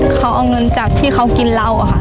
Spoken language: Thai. เค้าเอาเงินจากที่เค้ากินเหล้า